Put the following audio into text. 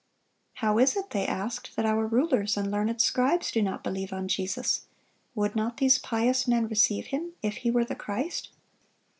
"How is it," they asked, "that our rulers and learned scribes do not believe on Jesus? Would not these pious men receive Him if He were the Christ?"